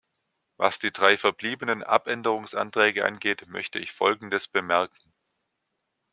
Was die drei verbliebenen Abänderungsanträge angeht, möchte ich folgendes bemerken.